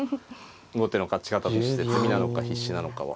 後手の勝ち方として詰みなのか必至なのかは。